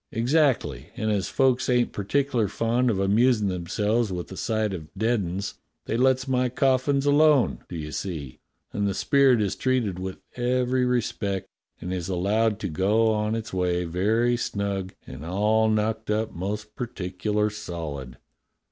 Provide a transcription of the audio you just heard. "Exactly; and as folk ain't particular fond of amusin' themselves with a sight of dead 'uns they lets my cof fins alone, do you see, and the spirit is treated with every respect and is allowed to go on its way very snug and all knocked up most particular solid."